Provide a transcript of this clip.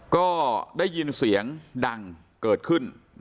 ก็ได้ยินเสียงดังเกิดขึ้น